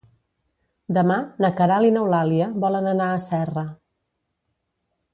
Demà na Queralt i n'Eulàlia volen anar a Serra.